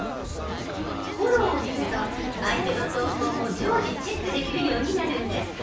フォローをすると相手の投稿も常時チェックできるようになるんです。